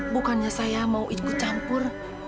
bukannya saya mau ikut campur